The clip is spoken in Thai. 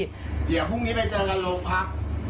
เดี๋ยวพรุ่งนี้ไปเจอกันโรงพัก